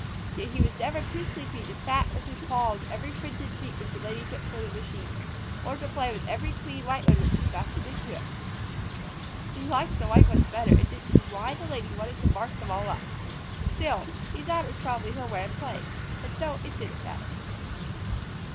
Yet he was never too sleepy to pat with his paws every printed sheet which the Lady took from the machine, or to play with every clean white one which she fastened into it. He liked the white ones the better and didn't see why the Lady wanted to mark them all up so. Still, he thought it was probably her way of playing, so it didn't matter.